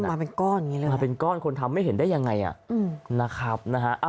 มาเป็นก้อนอย่างนี้เลยมาเป็นก้อนคนทำไม่เห็นได้ยังไงนะครับนะฮะ